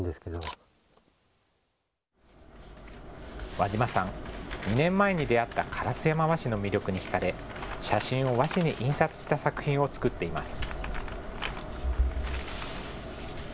和嶋さん、２年前に出会った烏山和紙の魅力に引かれ写真を和紙に印刷した作品を作っています。